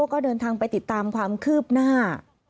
ก็เดินทางไปติดตามความคืบหน้า